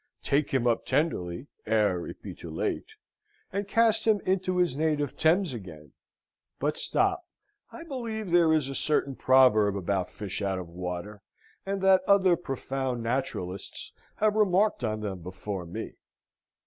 Take him up tenderly, ere it be too late, and cast him into his native Thames again But stop: I believe there is a certain proverb about fish out of water, and that other profound naturalists have remarked on them before me.